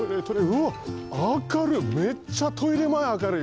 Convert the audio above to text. うわっ明るめっちゃトイレまえ明るい。